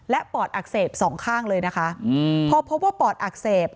และปอดอักเสบสองข้างเลยนะคะพอพบว่าปอดอักเสบ